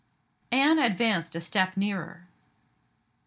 Anne advanced a step nearer.